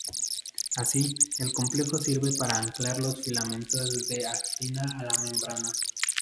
Así, el complejo sirve para anclar los filamentos de actina a la membrana.